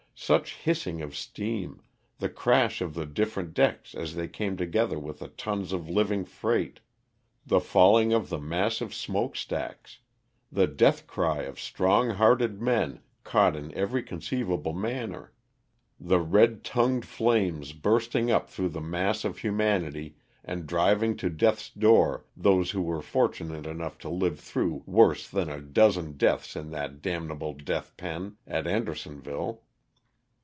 Such hissing of steam, the crash of the different decks as they came together with the tons of living freight, the falling of the massive smoke stacks, the death cry of strong hearted men caught in every conceivable manner, the red tongued flames 192 LOSS OF THE SULTANA. bursting up through the mass of humanity and driving to death's door those who were fortunate enough to live through worse than a dozen deaths in that '^ damnable death pen'' at Andersonville.